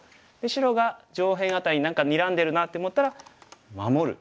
白が上辺あたり何かにらんでるなって思ったら守る。